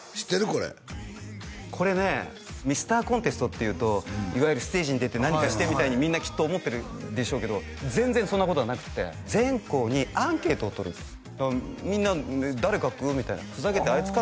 これこれねミスターコンテストっていうといわゆるステージに出て何かしてみたいにみんなきっと思ってるでしょうけど全然そんなことはなくって全校にアンケートを取るとみんな誰書く？みたいなふざけてあいつ書くか？